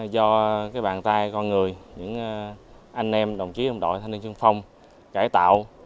do bàn tay con người những anh em đồng chí ông đội thanh niên chân phong cải tạo